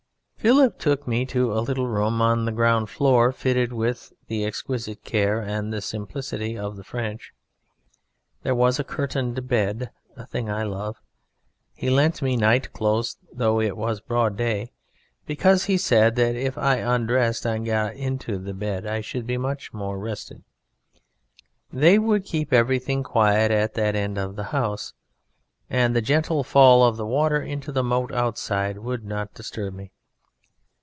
"Philip took me to a little room on the ground floor fitted with the exquisite care and the simplicity of the French: there was a curtained bed, a thing I love. He lent me night clothes, though it was broad day, because he said that if I undressed and got into the bed I should be much more rested; they would keep everything quiet at that end of the house, and the gentle fall of the water into the moat outside would not disturb me.